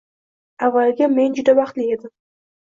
Avvaliga men juda baxtli edim